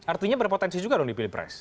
artinya berpotensi juga dong dipilih pres